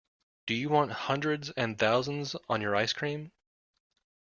Do you want hundreds and thousands on your ice cream?